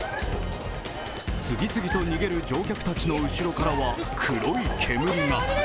次々と逃げる乗客たちの後ろからは、黒い煙が。